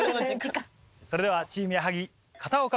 それではチーム矢作片岡